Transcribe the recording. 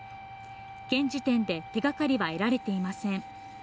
現時点で手がかりは得られていません。